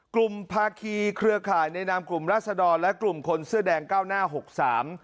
ภาคีเครือข่ายในนามกลุ่มราศดรและกลุ่มคนเสื้อแดงเก้าหน้าหกสาม